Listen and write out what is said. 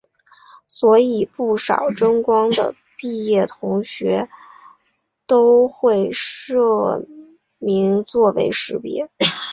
所以不少真光的毕业同学都会社名作为识别。